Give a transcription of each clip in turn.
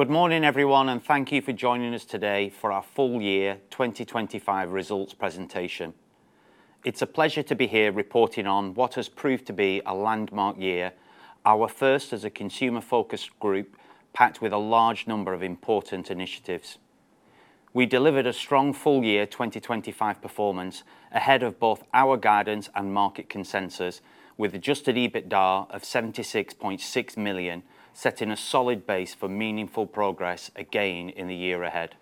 Good morning, everyone, and thank you for joining us today for our full year 2025 results presentation. It's a pleasure to be here reporting on what has proved to be a landmark year, our first as a consumer-focused group, packed with a large number of important initiatives. We delivered a strong full year 2025 performance ahead of both our guidance and market consensus with adjusted EBITDA of 76.6 million, setting a solid base for meaningful progress again in the year ahead.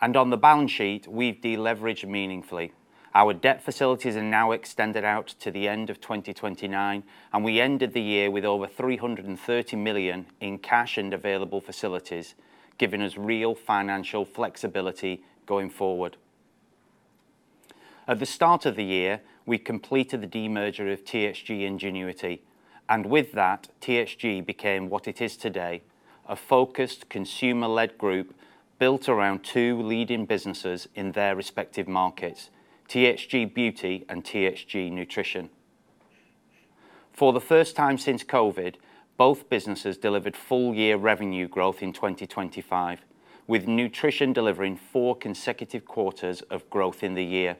On the balance sheet, we've deleveraged meaningfully. Our debt facilities are now extended out to the end of 2029, and we ended the year with over 330 million in cash and available facilities, giving us real financial flexibility going forward. At the start of the year, we completed the demerger of THG Ingenuity, and with that, THG became what it is today, a focused consumer-led group built around two leading businesses in their respective markets, THG Beauty and THG Nutrition. For the first time since COVID, both businesses delivered full year revenue growth in 2025, with nutrition delivering four consecutive quarters of growth in the year.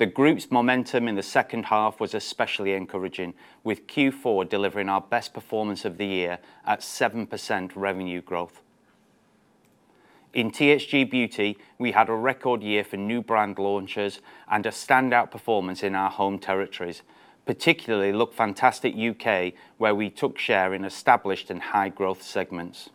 The group's momentum in the second half was especially encouraging with Q4 delivering our best performance of the year at 7% revenue growth. In THG Beauty, we had a record year for new brand launches and a standout performance in our home territories, particularly LOOKFANTASTIC U.K., where we took share in established and high-growth segments.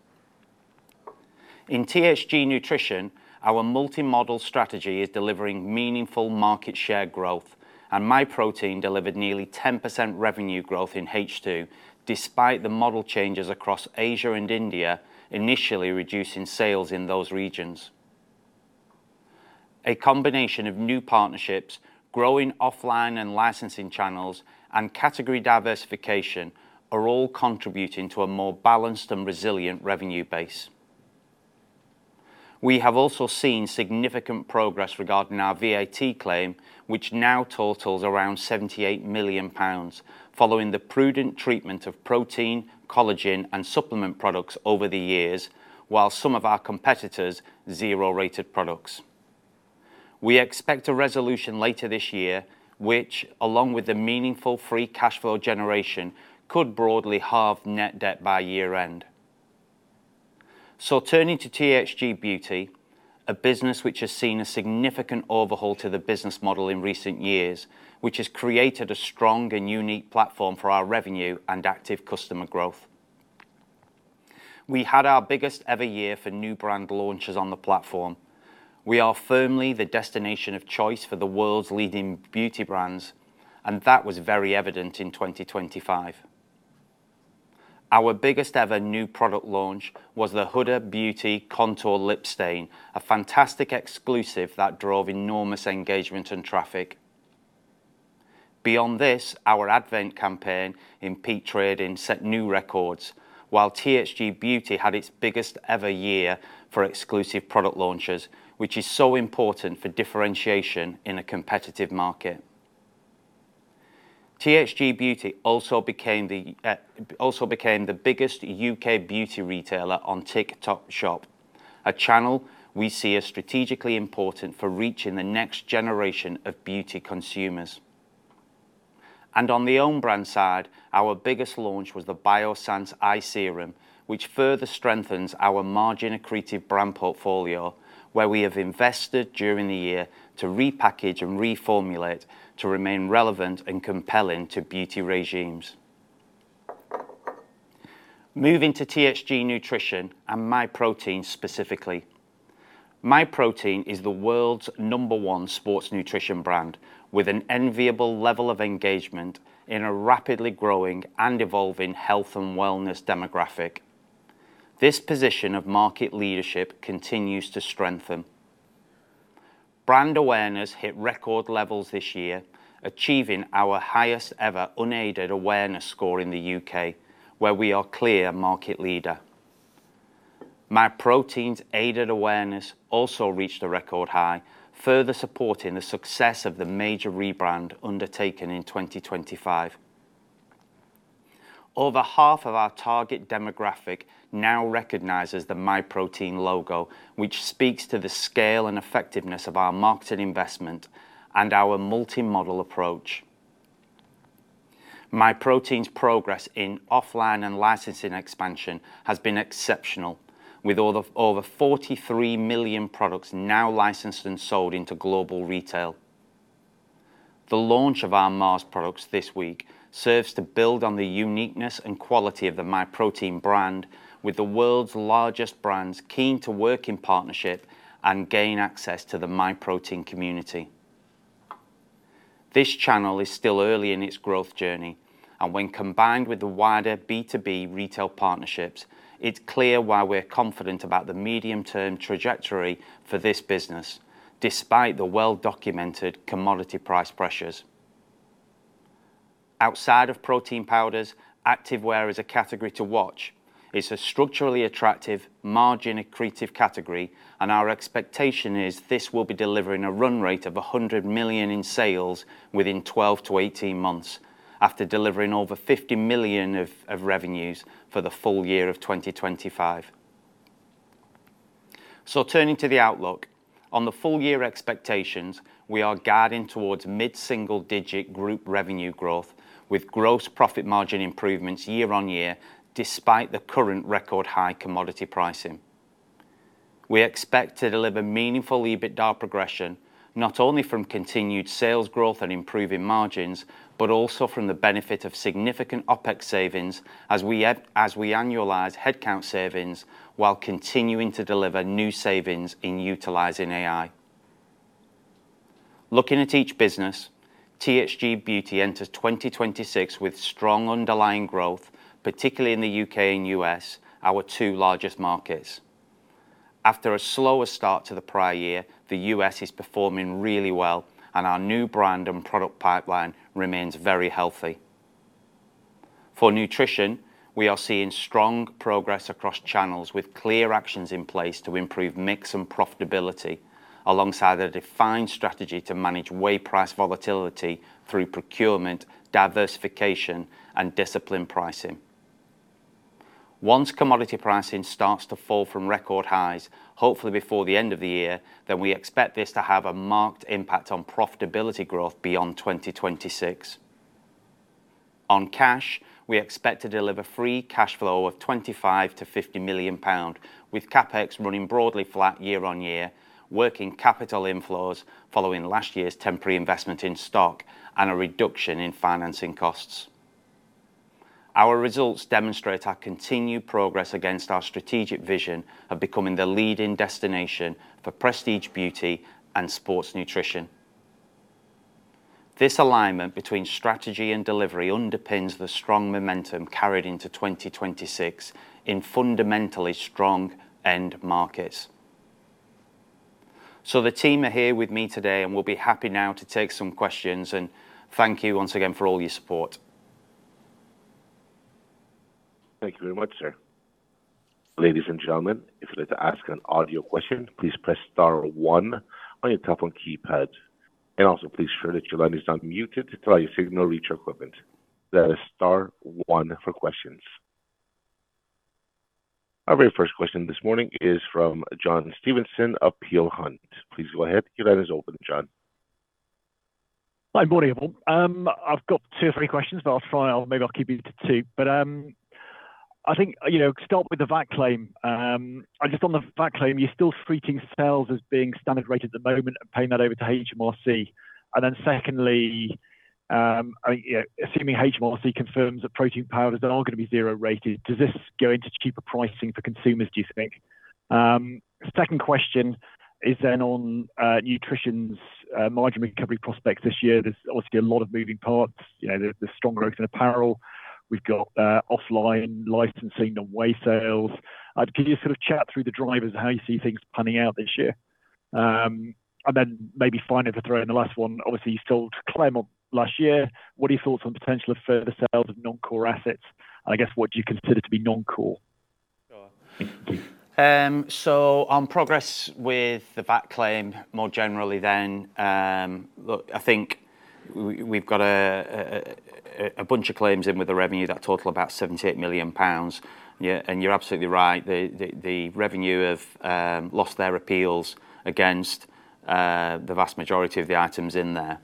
In THG Nutrition, our multi-model strategy is delivering meaningful market share growth, and Myprotein delivered nearly 10% revenue growth in H2 despite the model changes across Asia and India initially reducing sales in those regions. A combination of new partnerships, growing offline and licensing channels, and category diversification are all contributing to a more balanced and resilient revenue base. We have also seen significant progress regarding our VAT claim, which now totals around 78 million pounds following the prudent treatment of protein, collagen, and supplement products over the years while some of our competitors zero-rated products. We expect a resolution later this year, which along with the meaningful free cash flow generation could broadly halve net debt by year-end. Turning to THG Beauty, a business which has seen a significant overhaul to the business model in recent years, which has created a strong and unique platform for our revenue and active customer growth. We had our biggest ever year for new brand launches on the platform. We are firmly the destination of choice for the world's leading beauty brands, and that was very evident in 2025. Our biggest ever new product launch was the Huda Beauty Lip Contour Stain, a fantastic exclusive that drove enormous engagement and traffic. Beyond this, our advent campaign in peak trading set new records while THG Beauty had its biggest ever year for exclusive product launches, which is so important for differentiation in a competitive market. THG Beauty also became the biggest UK beauty retailer on TikTok Shop, a channel we see as strategically important for reaching the next generation of beauty consumers. On the own brand side, our biggest launch was the Biossance Eye Serum, which further strengthens our margin accretive brand portfolio, where we have invested during the year to repackage and reformulate to remain relevant and compelling to beauty regimes. Moving to THG Nutrition and Myprotein specifically. Myprotein is the world's number one sports nutrition brand with an enviable level of engagement in a rapidly growing and evolving health and wellness demographic. This position of market leadership continues to strengthen. Brand awareness hit record levels this year, achieving our highest ever unaided awareness score in the UK, where we are clear market leader. Myprotein's aided awareness also reached a record high, further supporting the success of the major rebrand undertaken in 2025. Over half of our target demographic now recognizes the Myprotein logo, which speaks to the scale and effectiveness of our marketing investment and our multi-model approach. Myprotein's progress in offline and licensing expansion has been exceptional with all of over 43 million products now licensed and sold into global retail. The launch of our Mars products this week serves to build on the uniqueness and quality of the Myprotein brand with the world's largest brands keen to work in partnership and gain access to the Myprotein community. This channel is still early in its growth journey, and when combined with the wider B2B retail partnerships, it's clear why we're confident about the medium-term trajectory for this business despite the well-documented commodity price pressures. Outside of protein powders, activewear is a category to watch. It's a structurally attractive margin accretive category, and our expectation is this will be delivering a run rate of 100 million in sales within 12-18 months after delivering over 50 million of revenues for the full year of 2025. Turning to the outlook. On the full year expectations, we are guiding towards mid-single-digit group revenue growth with gross profit margin improvements year-on-year, despite the current record high commodity pricing. We expect to deliver meaningful EBITDA progression, not only from continued sales growth and improving margins, but also from the benefit of significant OpEx savings as we annualize headcount savings while continuing to deliver new savings in utilizing AI. Looking at each business, THG Beauty enters 2026 with strong underlying growth, particularly in the U.K. and U.S., our two largest markets. After a slower start to the prior year, the U.S. is performing really well, and our new brand and product pipeline remains very healthy. For nutrition, we are seeing strong progress across channels with clear actions in place to improve mix and profitability alongside a defined strategy to manage whey price volatility through procurement, diversification, and disciplined pricing. Once commodity pricing starts to fall from record highs, hopefully before the end of the year, then we expect this to have a marked impact on profitability growth beyond 2026. On cash, we expect to deliver free cash flow of 25 million-50 million pound, with CapEx running broadly flat year-over-year, working capital inflows following last year's temporary investment in stock and a reduction in financing costs. Our results demonstrate our continued progress against our strategic vision of becoming the leading destination for prestige beauty and sports nutrition. This alignment between strategy and delivery underpins the strong momentum carried into 2026 in fundamentally strong end markets. The team are here with me today, and we'll be happy now to take some questions and thank you once again for all your support. Thank you very much, sir. Ladies and gentlemen, if you'd like to ask an audio question, please press star one on your telephone keypad. Also please ensure that your line is unmuted until your signal reach our equipment. That is star one for questions. Our very first question this morning is from John Stevenson of Peel Hunt. Please go ahead. Your line is open, John. Hi. Morning, all. I've got two or three questions, but I'll try and maybe I'll keep you to two. I think, you know, start with the VAT claim. Just on the VAT claim, you're still treating sales as being standard rate at the moment and paying that over to HMRC. Then secondly, you know, assuming HMRC confirms that protein powders that are going to be zero-rated, does this go into cheaper pricing for consumers, do you think? Second question is then on nutrition's margin recovery prospects this year. There's obviously a lot of moving parts. You know, there's strong growth in apparel. We've got offline licensing on whey sales. Can you sort of chat through the drivers how you see things panning out this year? Maybe finally to throw in the last one, obviously, you sold Claremont last year. What are your thoughts on potential of further sales of non-core assets? I guess what do you consider to be non-core? On progress with the VAT claim more generally then, look, I think we've got a bunch of claims in with the Revenue that total about 78 million pounds. Yeah, you're absolutely right. The Revenue have lost their appeals against the vast majority of the items in there.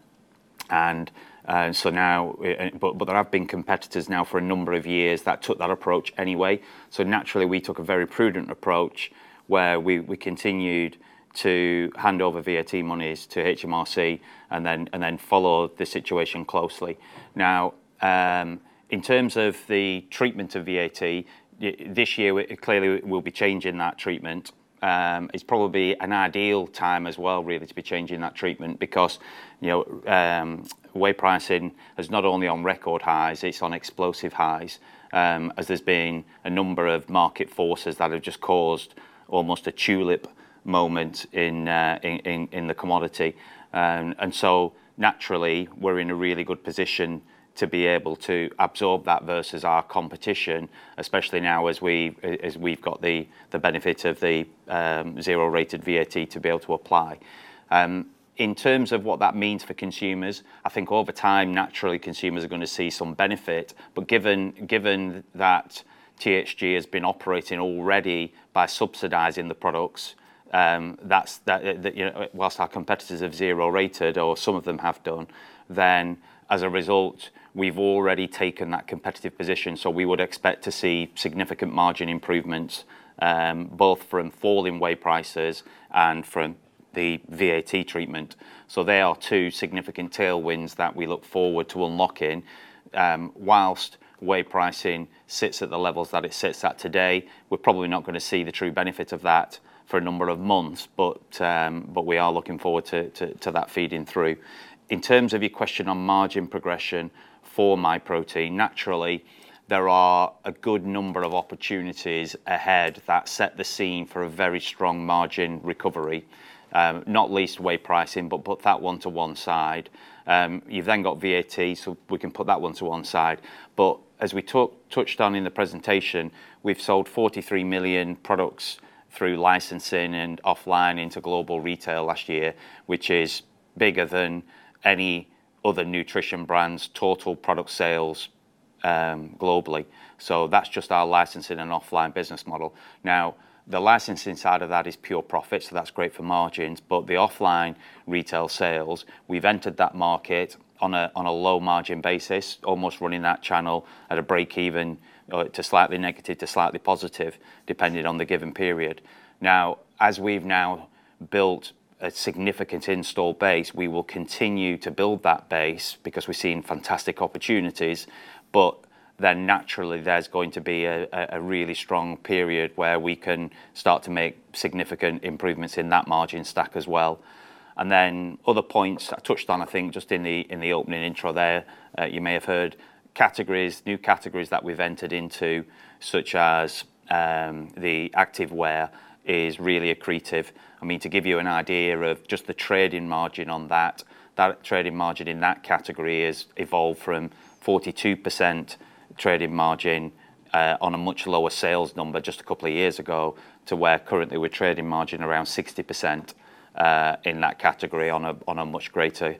There have been competitors for a number of years that took that approach anyway. Naturally, we took a very prudent approach where we continued to hand over VAT monies to HMRC and then follow the situation closely. Now, in terms of the treatment of VAT, this year, clearly we'll be changing that treatment. It's probably an ideal time as well really to be changing that treatment because, you know, whey pricing is not only on record highs, it's on explosive highs, as there's been a number of market forces that have just caused almost a tulip moment in the commodity. Naturally, we're in a really good position to be able to absorb that versus our competition, especially now as we've got the benefit of the zero-rated VAT to be able to apply. In terms of what that means for consumers, I think over time, naturally, consumers are going to see some benefit. Given that THG has been operating already by subsidizing the products, that you know whilst our competitors have zero-rated or some of them have done, then as a result, we've already taken that competitive position. We would expect to see significant margin improvements both from falling whey prices and from the VAT treatment. They are two significant tailwinds that we look forward to unlocking whilst whey pricing sits at the levels that it sits at today. We're probably not going to see the true benefit of that for a number of months, but we are looking forward to that feeding through. In terms of your question on margin progression for Myprotein, naturally, there are a good number of opportunities ahead that set the scene for a very strong margin recovery, not least whey pricing, but put that one to one side. You've then got VAT, so we can put that one to one side. As we touched on in the presentation, we've sold 43 million products through licensing and offline into global retail last year, which is bigger than any other nutrition brand's total product sales, globally. That's just our licensing and offline business model. Now, the licensing side of that is pure profit, so that's great for margins. The offline retail sales, we've entered that market on a low margin basis, almost running that channel at a break-even or to slightly negative to slightly positive depending on the given period. Now, as we've now built a significant install base, we will continue to build that base because we're seeing fantastic opportunities. Naturally there's going to be a really strong period where we can start to make significant improvements in that margin stack as well. Other points I touched on, I think, just in the opening intro there, you may have heard categories, new categories that we've entered into, such as the activewear is really accretive. I mean, to give you an idea of just the trading margin on that, trading margin in that category has evolved from 42% trading margin on a much lower sales number just a couple of years ago to where currently we're trading margin around 60% in that category on a much greater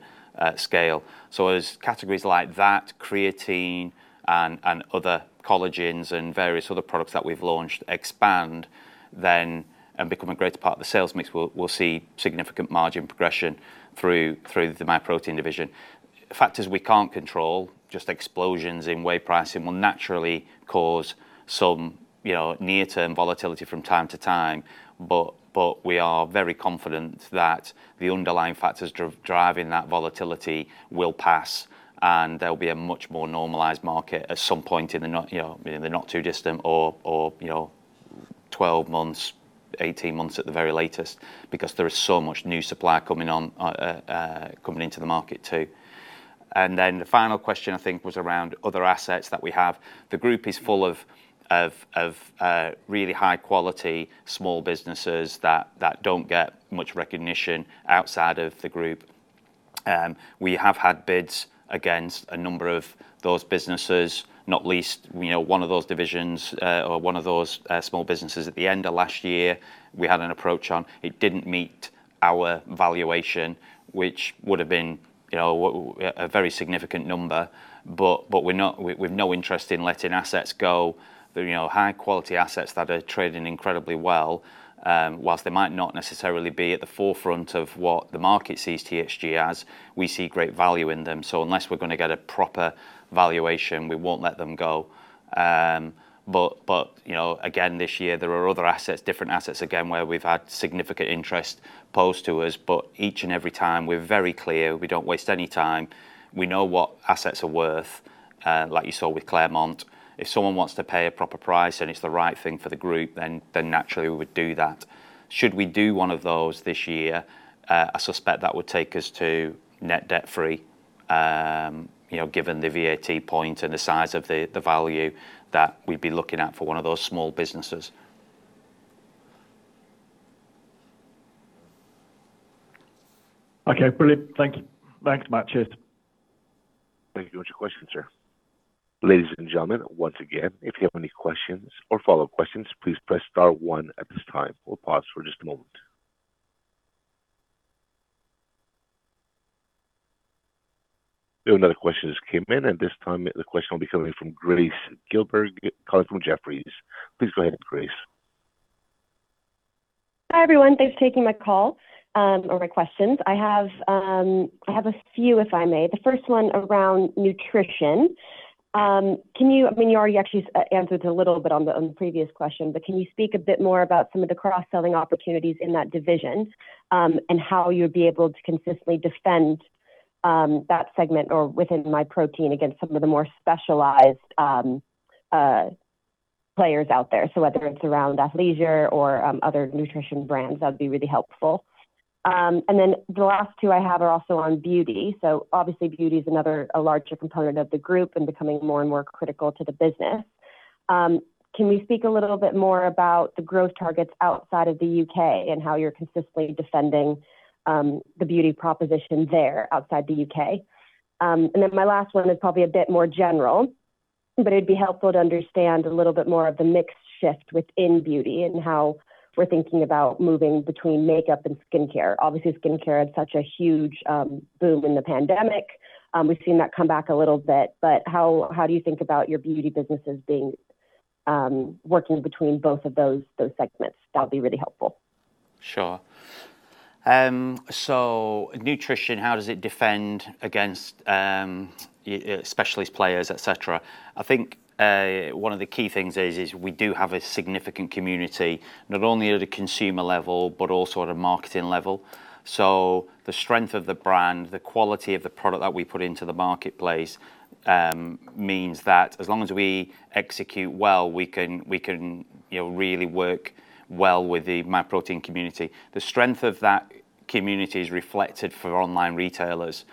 scale. As categories like that, creatine and other collagens and various other products that we've launched expand then and become a greater part of the sales mix, we'll see significant margin progression through the Myprotein division. Factors we can't control, just explosions in whey pricing will naturally cause some, you know, near-term volatility from time to time. We are very confident that the underlying factors driving that volatility will pass, and there'll be a much more normalized market at some point in the not too distant or, you know, 12 months, 18 months at the very latest, because there is so much new supply coming on, coming into the market too. Then the final question I think was around other assets that we have. The group is full of really high quality small businesses that don't get much recognition outside of the group. We have had bids against a number of those businesses, not least, you know, one of those divisions or one of those small businesses at the end of last year, we had an approach on. It didn't meet our valuation, which would have been, you know, a very significant number. We've no interest in letting assets go. You know, high quality assets that are trading incredibly well, whilst they might not necessarily be at the forefront of what the market sees THG as, we see great value in them. Unless we're gonna get a proper valuation, we won't let them go. You know, again, this year there are other assets, different assets again, where we've had significant interest posed to us. Each and every time, we're very clear, we don't waste any time. We know what assets are worth, like you saw with Claremont. If someone wants to pay a proper price and it's the right thing for the group, then naturally we would do that. Should we do one of those this year, I suspect that would take us to net debt free, you know, given the VAT point and the size of the value that we'd be looking at for one of those small businesses. Okay, brilliant. Thank you. Thanks, Matt. Cheers. Thank you for your question, sir. Ladies and gentlemen, once again, if you have any questions or follow-up questions, please press star one at this time. We'll pause for just a moment. We have another question just came in, and this time the question will be coming from Grace Gilberg calling from Jefferies. Please go ahead, Grace. Hi, everyone. Thanks for taking my call, or my questions. I have a few, if I may. The first one around nutrition. I mean, you already actually answered a little bit on the previous question, but can you speak a bit more about some of the cross-selling opportunities in that division, and how you'd be able to consistently defend that segment or within Myprotein against some of the more specialized players out there? Whether it's around athleisure or other nutrition brands, that'd be really helpful. Then the last two I have are also on beauty. Obviously beauty is another larger component of the group and becoming more and more critical to the business. Can we speak a little bit more about the growth targets outside of the U.K. and how you're consistently defending the beauty proposition there outside of the U.K.? My last one is probably a bit more general, but it'd be helpful to understand a little bit more of the mix shift within beauty and how we're thinking about moving between makeup and skincare. Obviously, skincare had such a huge boom in the pandemic. We've seen that come back a little bit, but how do you think about your beauty businesses being working between both of those segments? That'd be really helpful. Sure. Nutrition, how does it defend against specialist players, et cetera? I think one of the key things is we do have a significant community, not only at a consumer level, but also at a marketing level. The strength of the brand, the quality of the product that we put into the marketplace means that as long as we execute well, we can you know really work well with the Myprotein community. The strength of that community is reflected for online retailers.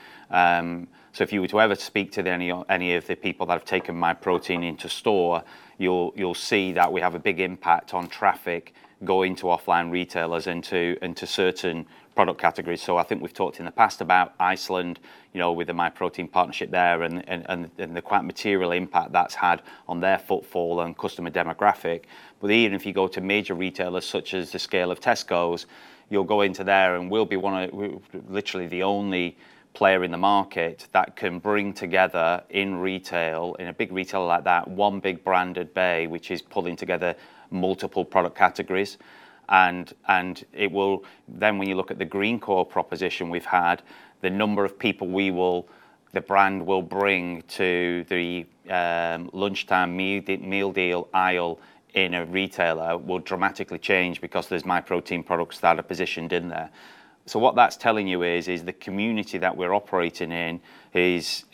If you were to ever speak to any of the people that have taken Myprotein into store, you'll see that we have a big impact on traffic going to offline retailers into certain product categories. I think we've talked in the past about Iceland, you know, with the Myprotein partnership there and the quite material impact that's had on their footfall and customer demographic. Even if you go to major retailers such as the scale of Tesco's, you'll go into there and we're literally the only player in the market that can bring together in retail, in a big retailer like that, one big branded bay which is pulling together multiple product categories. When you look at the Greencore Group proposition we've had, the number of people the brand will bring to the lunchtime meal deal aisle in a retailer will dramatically change because there's Myprotein products that are positioned in there. What that's telling you is the community that we're operating in is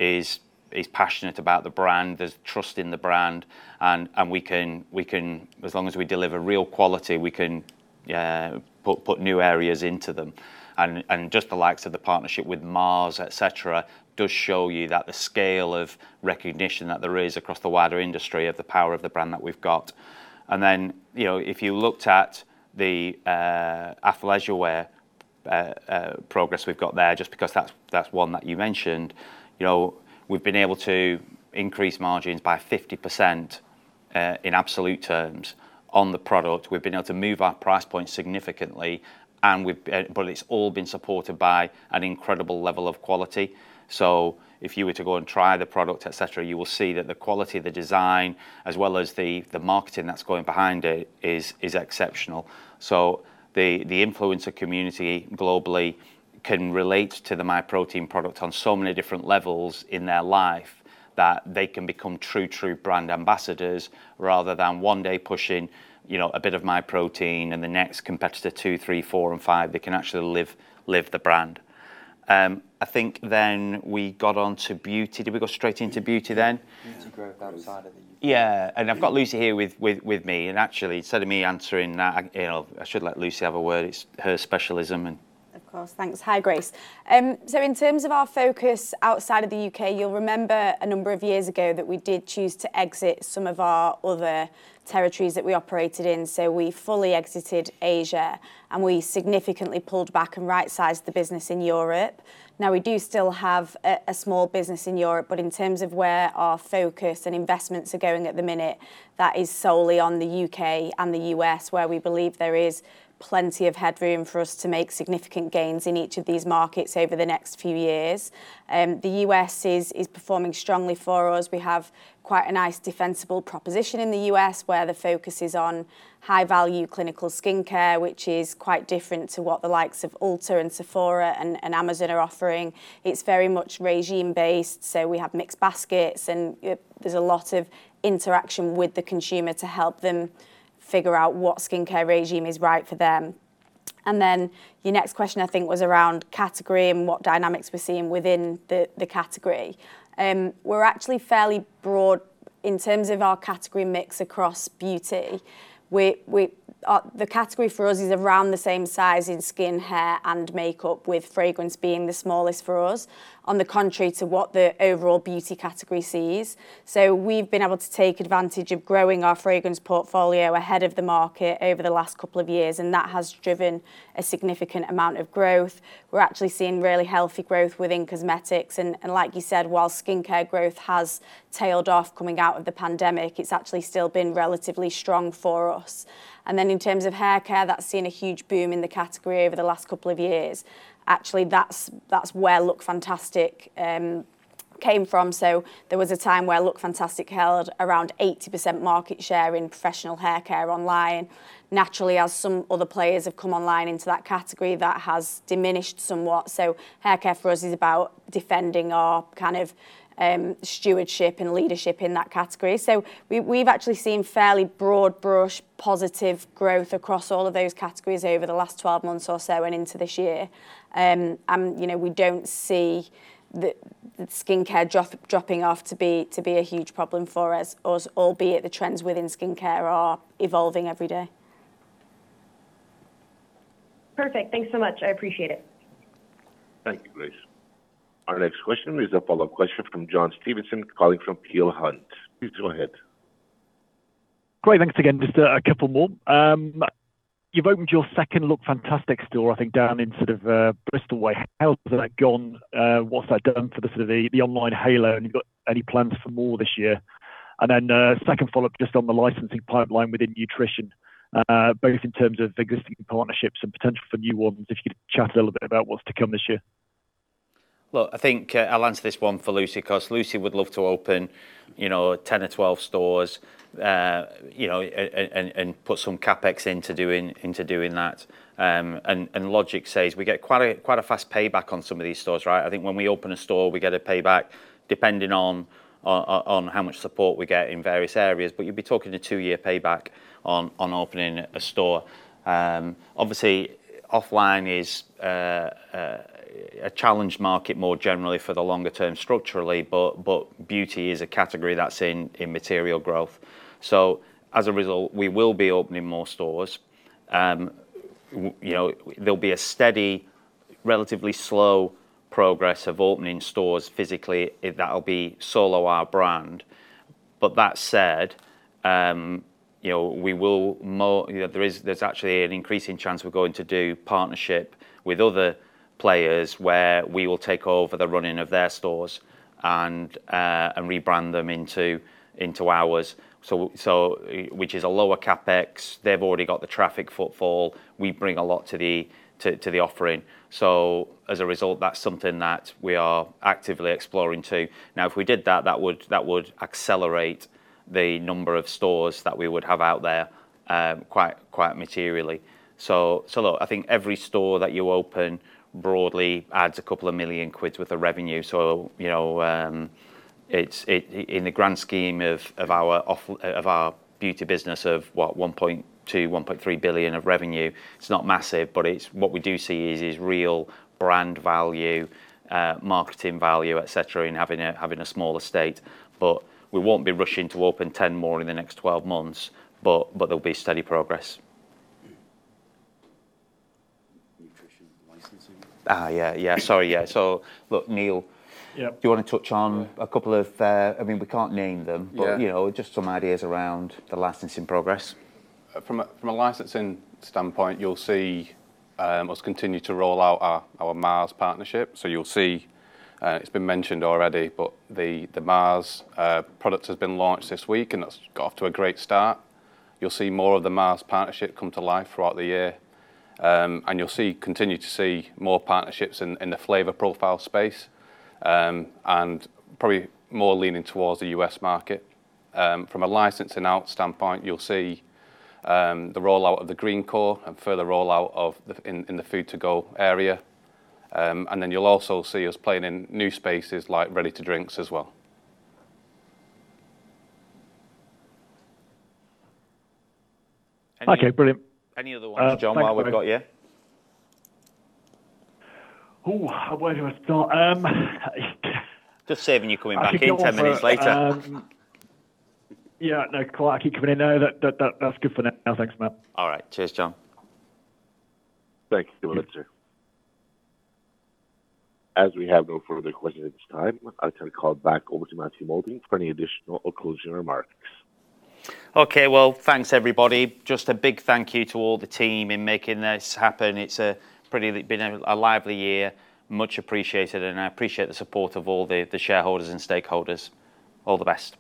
passionate about the brand, there's trust in the brand, and we can, as long as we deliver real quality, we can put new areas into them. Just the likes of the partnership with Mars, etc., does show you that the scale of recognition that there is across the wider industry of the power of the brand that we've got. You know, if you looked at the athleisure wear progress we've got there, just because that's one that you mentioned, you know, we've been able to increase margins by 50%, in absolute terms on the product. We've been able to move our price point significantly, and we've but it's all been supported by an incredible level of quality. If you were to go and try the product, et cetera, you will see that the quality of the design as well as the marketing that's going behind it is exceptional. The influencer community globally can relate to the Myprotein product on so many different levels in their life that they can become true brand ambassadors rather than one day pushing, you know, a bit of Myprotein and the next competitor two, three, four and five, they can actually live the brand. I think then we got onto beauty. Did we go straight into beauty then? Beauty growth outside of the U.K. Yeah. I've got Lucy here with me. Actually, instead of me answering that, you know, I should let Lucy have a word. It's her specialism. Of course. Thanks. Hi, Grace. In terms of our focus outside of the U.K., you'll remember a number of years ago that we did choose to exit some of our other territories that we operated in. We fully exited Asia, and we significantly pulled back and right-sized the business in Europe. Now, we do still have a small business in Europe, but in terms of where our focus and investments are going at the minute, that is solely on the U.K. and the U.S., where we believe there is plenty of headroom for us to make significant gains in each of these markets over the next few years. The U.S. is performing strongly for us. We have quite a nice defensible proposition in the U.S., where the focus is on high-value clinical skincare, which is quite different to what the likes of Ulta and Sephora and Amazon are offering. It's very much regimen based, so we have mixed baskets, and there's a lot of interaction with the consumer to help them figure out what skincare regimen is right for them. Your next question, I think, was around category and what dynamics we're seeing within the category. We're actually fairly broad in terms of our category mix across beauty. The category for us is around the same size in skin, hair, and makeup, with fragrance being the smallest for us, on the contrary to what the overall beauty category sees. We've been able to take advantage of growing our fragrance portfolio ahead of the market over the last couple of years, and that has driven a significant amount of growth. We're actually seeing really healthy growth within cosmetics and like you said, while skincare growth has tailed off coming out of the pandemic, it's actually still been relatively strong for us. In terms of haircare, that's seen a huge boom in the category over the last couple of years. Actually, that's where LOOKFANTASTIC came from. There was a time where LOOKFANTASTIC held around 80% market share in professional haircare online. Naturally, as some other players have come online into that category, that has diminished somewhat. Haircare for us is about defending our kind of stewardship and leadership in that category. We've actually seen fairly broad brush positive growth across all of those categories over the last 12 months or so and into this year. You know, we don't see the skincare dropping off to be a huge problem for us, albeit the trends within skincare are evolving every day. Perfect. Thanks so much. I appreciate it. Thank you, Grace. Our next question is a follow-up question from John Stevenson calling from Peel Hunt. Please go ahead. Great. Thanks again. Just a couple more. You've opened your second LOOKFANTASTIC store, I think down in sort of Bristol way. How has that gone? What's that done for the sort of the online halo? And have you got any plans for more this year? And then second follow-up just on the licensing pipeline within nutrition, both in terms of existing partnerships and potential for new ones, if you could chat a little bit about what's to come this year. Look, I think I'll answer this one for Lucy 'cause Lucy would love to open, you know, 10 or 12 stores, you know, and put some CapEx into doing that. Logic says we get quite a fast payback on some of these stores, right? I think when we open a store, we get a payback depending on how much support we get in various areas. You'd be talking a two-year payback on opening a store. Obviously, offline is a challenged market more generally for the longer term structurally, but beauty is a category that's in material growth. As a result, we will be opening more stores. You know, there'll be a steady, relatively slow progress of opening stores physically. It'll be solely our brand. That said, you know, there's actually an increasing chance we're going to do partnership with other players where we will take over the running of their stores and rebrand them into ours. Which is a lower CapEx. They've already got the traffic footfall. We bring a lot to the offering. As a result, that's something that we are actively exploring too. Now, if we did that would accelerate the number of stores that we would have out there quite materially. Look, I think every store that you open broadly adds 2 million worth of revenue. You know, it's in the grand scheme of our beauty business of what 1.2 billion-1.3 billion of revenue, it's not massive, but it's what we do see is real brand value, marketing value, et cetera, in having a small estate. We won't be rushing to open 10 more in the next 12 months, but there'll be steady progress. Nutrition and licensing. Yeah. Sorry, yeah. Look, Neil. Yep. Do you wanna touch on a couple of, I mean, we can't name them? Yeah. you know, just some ideas around the licensing progress. From a licensing standpoint, you'll see us continue to roll out our Mars partnership. You'll see, it's been mentioned already, but the Mars product has been launched this week, and that's got off to a great start. You'll see more of the Mars partnership come to life throughout the year. You'll continue to see more partnerships in the flavor profile space, and probably more leaning towards the U.S. market. From a licensing out standpoint, you'll see the rollout of the Greencore and further rollout of the food to go area. You'll also see us playing in new spaces like ready-to-drink as well. Any- Okay, brilliant. Any other ones, John, while we've got you? Thanks, Matt. Ooh, where do I start? Just saving you coming back in 10 minutes later. I can keep going, but yeah, no, cool. I can keep coming in though. That's good for now. Thanks, Matt. All right. Cheers, John. Thank you, John. As we have no further questions at this time, I'll turn the call back over to Matthew Moulding for any additional or closing remarks. Okay. Well, thanks, everybody. Just a big thank you to all the team in making this happen. It's been a pretty lively year. Much appreciated, and I appreciate the support of all the shareholders and stakeholders. All the best.